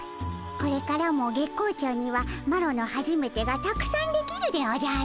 これからも月光町にはマロのはじめてがたくさんできるでおじゃる。